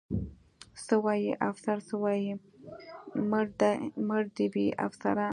څه وایي؟ افسر څه وایي؟ مړه دې وي افسران.